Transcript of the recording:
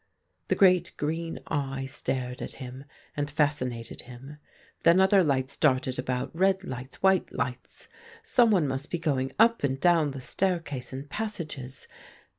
The great green eye stared at him. and fascinated him. Then other lights darted about, red lights, white lights. Someone must be going up and down the staircase and passages.